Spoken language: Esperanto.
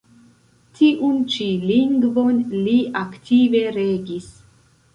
Tiun ĉi lingvon li aktive regis.